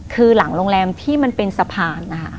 คือหลังโรงแรมที่มันเป็นสะพานนะคะ